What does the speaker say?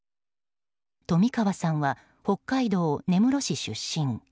冨川さんは北海道根室市出身。